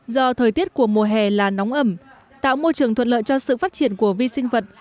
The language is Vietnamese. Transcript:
do thời tiết của mùa hè là nóng ẩm tạo môi trường thuận lợi cho sự phát triển của vi sinh vật